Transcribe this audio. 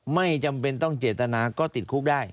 ไม่จำเป็นต้องเจตนาก็ติดคุกได้